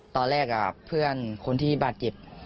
ตอนแรกเพื่อนคนที่บาดเจ็บ